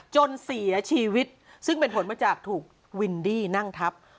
จนเสียชีวิตซึ่งเป็นผลมาจากถูกวินดี้นั่งทับ